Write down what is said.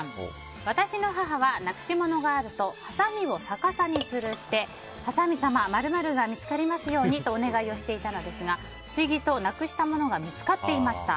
私の母はなくしものがあるとはさみを逆さにつるしてはさみ様○○が見つかりますようにとお願いをしていたのですが不思議となくしたものが見つかっていました。